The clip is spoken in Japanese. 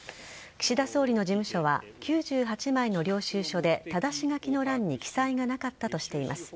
岸田総理の事務所は９８枚の領収書でただし書きの欄に記載がなかったとしています。